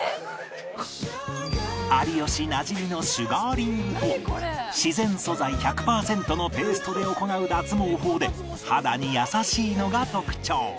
有吉なじみのシュガーリングとは自然素材１００パーセントのペーストで行う脱毛法で肌に優しいのが特徴